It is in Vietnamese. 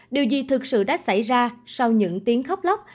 điều gì thực sự đã xảy ra sau những tiếng khóc lóc